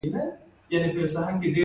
نکې ولسوالۍ غرنۍ ده؟